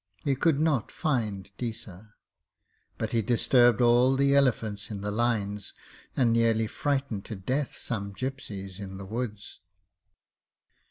He could not find Deesa, but he disturbed all the elephants in the lines, and nearly frightened to death some gipsies in the woods.